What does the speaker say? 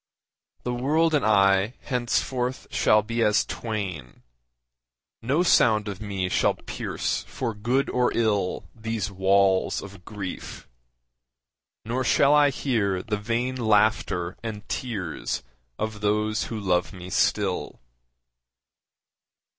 The world and I henceforth shall be as twain, No sound of me shall pierce for good or ill These walls of grief. Nor shall I hear the vain Laughter and tears of those who love me still.